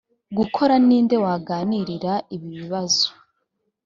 gukora ni nde waganirira ibi bibazo